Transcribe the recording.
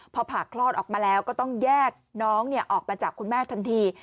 พอผ่าคลอดออกมาแล้วก็ต้องแยกน้องออกมาจากคุณแม่ทันที